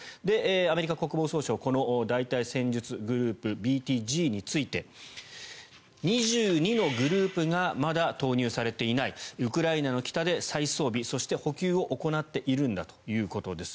アメリカ国防総省この大隊戦術グループ・ＢＴＧについて２２のグループがまだ投入されていないウクライナの北で再装備そして補給を行っているんだということです。